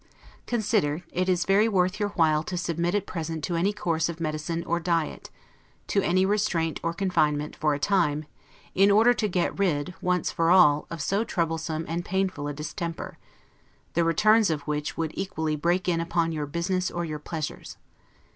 Consider, it is very worth your while to submit at present to any course of medicine or diet, to any restraint or confinement, for a time, in order to get rid, once for all, of so troublesome and painful a distemper; the returns of which would equally break in upon your business or your pleasures.